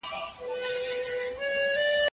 طبیعت د انسان په مزاج اغېز کولای سي.